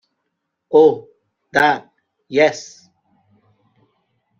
Oh, that, yes.